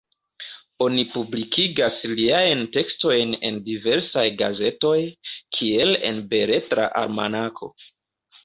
Oni publikigas liajn tekstojn en diversaj gazetoj, kiel en Beletra Almanako.